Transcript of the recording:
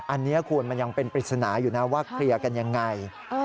อันนี้คุณมันยังเป็นปริศนาอยู่นะว่าเคลียร์กันยังไง